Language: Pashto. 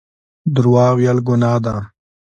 درواغ ویل ګناه ده